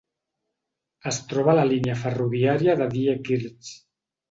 Es troba a la línia ferroviària de Diekirch.